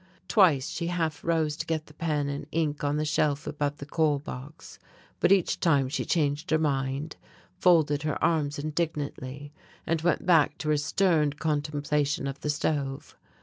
Twice she half rose to get the pen and ink on the shelf above the coal box, but each time she changed her mind, folded her arms indignantly, and went back to her stern contemplation of the stove.